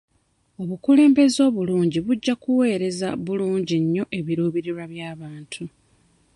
Obukulembeze obulungi bujja kuweereza bulungi nnyo ebiruubirirwa by'abantu.